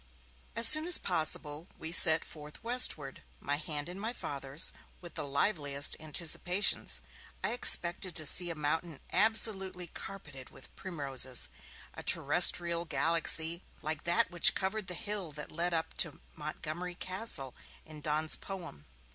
As soon as possible we set forth westward, my hand in my Father's, with the liveliest anticipations. I expected to see a mountain absolutely carpeted with primroses, a terrestrial galaxy like that which covered the hill that led up to Montgomery Castle in Donne's poem.